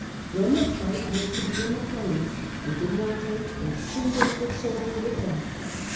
When the fight was to be in the plains, they did not take a single foot soldier with them.